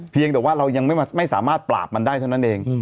เพียงแต่ว่าเรายังไม่สามารถปราบมันได้เท่านั้นเอง